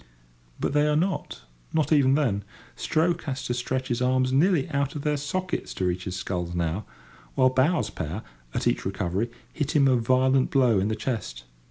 But they are not—not even then. Stroke has to stretch his arms nearly out of their sockets to reach his sculls now; while bow's pair, at each recovery, hit him a violent blow in the chest.